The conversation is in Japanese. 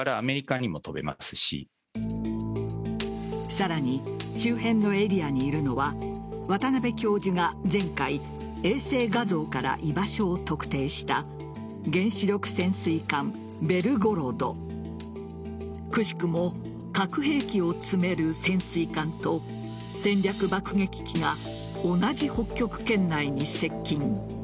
さらに周辺のエリアにいるのは渡邉教授が前回、衛星画像から居場所を特定した原子力潜水艦「ベルゴロド」くしくも核兵器を積める潜水艦と戦略爆撃機が同じ北極圏内に接近。